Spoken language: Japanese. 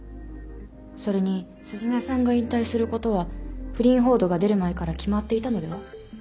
それに鈴音さんが引退することは不倫報道が出る前から決まっていたのでは？